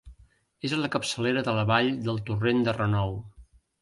És a la capçalera de la vall del torrent de Renou.